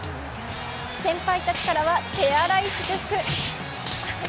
先輩たちからは手荒い祝福。